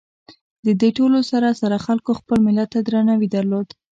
د دې ټولو سره سره خلکو خپل ملت ته درناوي درلود.